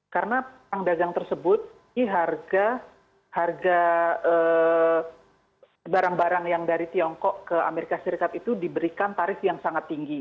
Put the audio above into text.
karena perang dagang tersebut di harga harga barang barang yang dari tiongkok ke amerika serikat itu diberikan tarif yang sangat tinggi